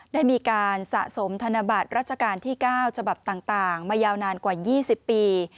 ได้มีการสะสมธนบัตรรัชกาลที่๙ฉบับต่างมายาวนานกว่า๒๐ปี